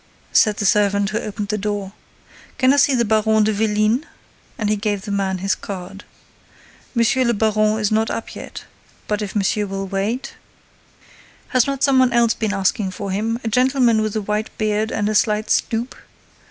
said the servant who opened the door. "Can I see the Baron de Vélines?" And he gave the man his card. "Monsieur le baron is not up yet, but, if monsieur will wait—" "Has not some one else been asking for him, a gentleman with a white beard and a slight stoop?"